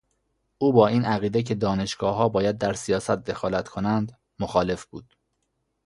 او با این عقیده که دانشگاهها باید در سیاست دخالت کنند مخالف بود.